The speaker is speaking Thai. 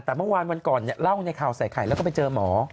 แต่วันก่อนเล่าข่าวใส่ไข่แล้วไปเจอหมอ